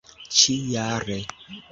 ĉi jare